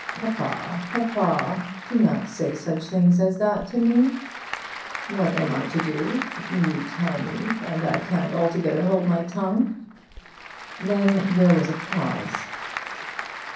"Papa, papa; do not say such things as that to me!" "What am I to do? You tell me, and I can't altogether hold my tongue." Then there was a pause.